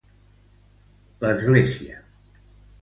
L'Església.